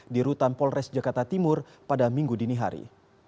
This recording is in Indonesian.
di rutan polres jakarta timur pada minggu dini hari